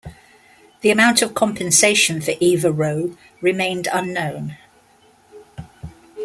The amount of compensation for Eva Rowe remained unknown.